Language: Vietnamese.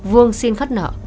vuông xin khắt nợ